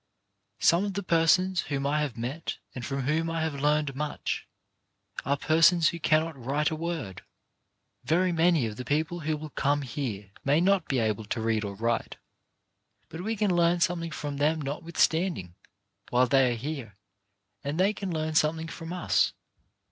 Some of the persons whom I have met and from whom I have learned much, are persons who cannot write a word. Very many of the people who will come here may not be able to read or write, but we can learn some thing from them notwithstanding, while they are here, and they can learn something from us.